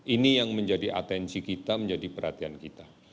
ini yang menjadi atensi kita menjadi perhatian kita